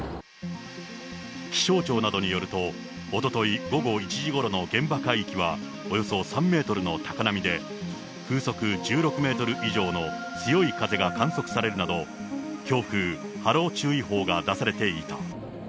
気象庁などによると、おととい午後１時ごろの現場海域は、およそ３メートルの高波で、風速１６メートル以上の強い風が観測されるなど、強風、波浪注意報が出されていた。